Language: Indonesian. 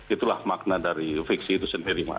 itulah makna dari fiksi itu sendiri